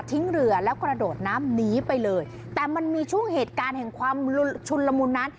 เรือแล้วกระโดดน้ำหนีไปเลยแต่มันมีช่วงเหตุการณ์แห่งความชุนละมุนนั้น